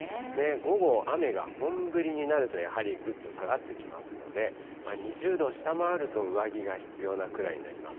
午後は雨が本降りになるとやはりぐっと下がってきますので、２０度を下回ると上着が必要なくらいになります。